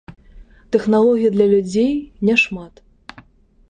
Тэхналогій для людзей не шмат.